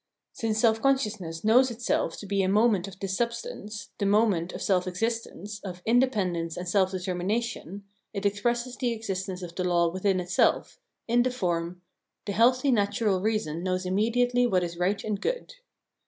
Since self consciousness knows itself to be a moment of this substance, the moment of self existence, of inde pendence and self determination, it expresses the exis tence of the law within itself, in the form :" the healthy natural reason knows immediately what is right and good."